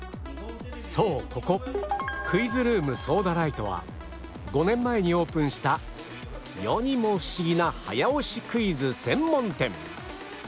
そうここクイズルームソーダライトは５年前にオープンした世にもフシギな早押しクイズ専門店